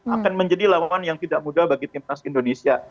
akan menjadi lawan yang tidak mudah bagi timnas indonesia